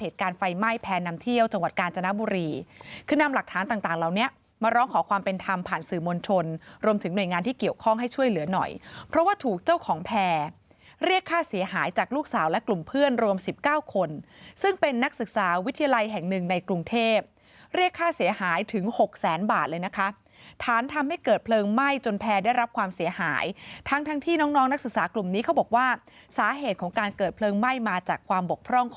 เดี๋ยวหน่อยเพราะว่าถูกเจ้าของแพเรียกฆ่าเสียหายจากลูกสาวและกลุ่มเพื่อนรวม๑๙คนซึ่งเป็นนักศึกษาวิทยาลัยแห่งหนึ่งในกรุงเทพเรียกฆ่าเสียหายถึง๖๐๐บาทเลยนะคะฐานทำให้เกิดเพลิงไหม้จนแพได้รับความเสียหายทั้งที่น้องนักศึกษากลุ่มนี้เขาบอกว่าสาเหตุของการเกิดเพลิงไหม้มาจากความบ